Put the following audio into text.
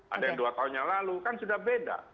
ada yang dua tahun yang lalu kan sudah beda